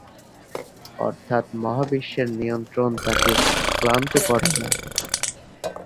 অর্থাৎ মহাবিশ্বের নিয়ন্ত্রণ তাকে ক্লান্ত করে না।